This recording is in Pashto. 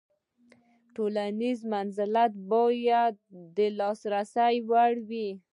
تولنیز منزلت هم باید د لاسرسي وړ وي.